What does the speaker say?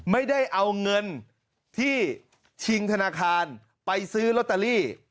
ไม่ได้เอาเงินที่ชิงธนาคารไปซื้อลอตเตอรี่